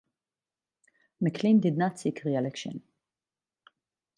McLean did not seek re-election.